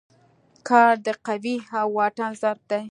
کار د قوې او واټن ضرب دی.